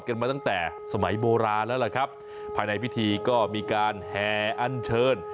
กันมาตั้งแต่สมัยโบราณแล้วล่ะครับภายในพิธีก็มีการแห่อันเชิญ